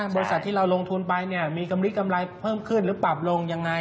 บริษัทที่เราลงทุนไปมีกำลิกำไรเพิ่มขึ้นหรือปรับลงยังไง